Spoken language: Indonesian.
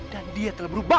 dan dia telah berubah